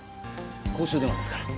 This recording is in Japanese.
公衆電話ですから。